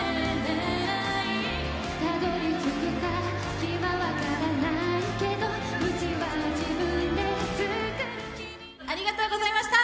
「辿り着く先はわからないけど軌跡は自分で作る」・ありがとうございました。